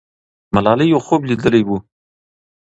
ملالۍ یو خوب لیدلی وو.